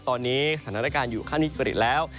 ตอนนี้สถานการณ์อยู่ข้างนี้ก็อีกแล้ว